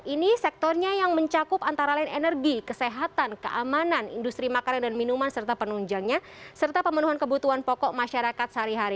ini sektornya yang mencakup antara lain energi kesehatan keamanan industri makanan dan minuman serta penunjangnya serta pemenuhan kebutuhan pokok masyarakat sehari hari